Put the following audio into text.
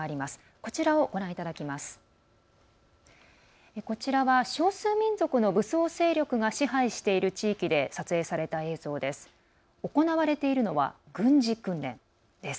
こちらは、少数民族の武装勢力が支配している地域で撮影された映像です。